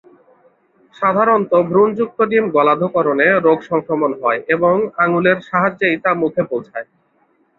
সাধারণত ভ্রূণযুক্ত ডিম গলাধঃকরণে রোগসংক্রমণ হয় এবং আঙুলের সাহায্যেই তা মুখে পৌঁছায়।